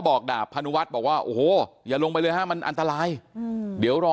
ดาบพนุวัฒน์บอกว่าโอ้โหอย่าลงไปเลยฮะมันอันตรายเดี๋ยวรอ